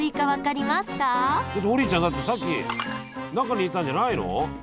王林ちゃんだってさっき中にいたんじゃないの？